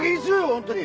本当に。